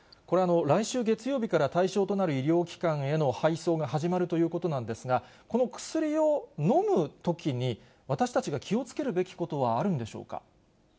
これ、来週月曜日から対象となる医療機関への配送が始まるということなんですが、この薬を飲むときに、私たちが気をつけるべきことは、あるんでしょうか。